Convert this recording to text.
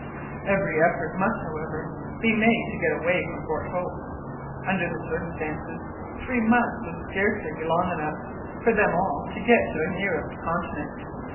Every effort must, however, be made to get away from Fort Hope. Under the circumstances, three months would scarcely be long enough for them all to get to the nearest continent.